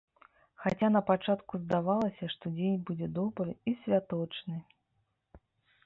Хаця напачатку здавалася, што дзень будзе добры і святочны.